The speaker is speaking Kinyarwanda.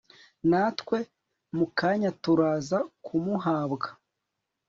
natwe mukanya turaza kumuhabwa